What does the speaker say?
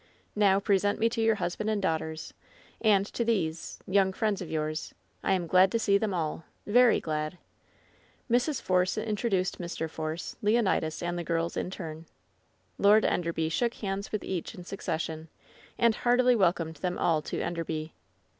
"Now pre sent me to your husband and daughters, and to these — young friends of yours. I am glad to see them alL Very gkd." Mrs. Force introduced Mr. Force, Leonidas and the girls in turn. LOVE'S BITTEREST CUP 18T Lord Enderbj shook hands with each in succession^ and heartily welcomed them all to Enderby.